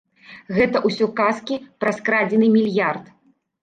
Гэта ўсё казкі пра скрадзены мільярд!